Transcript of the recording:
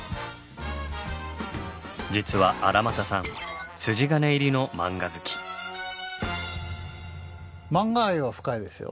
実は荒俣さんマンガ愛は深いですよ。